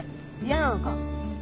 嫌なのか？